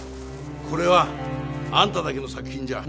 これはあんただけの作品じゃ。